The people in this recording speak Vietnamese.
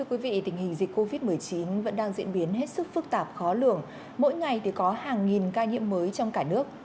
covid một mươi chín vẫn đang diễn biến hết sức phức tạp khó lường mỗi ngày có hàng nghìn ca nhiễm mới trong cả nước